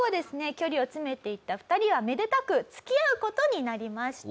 距離を詰めていった２人はめでたく付き合う事になりました。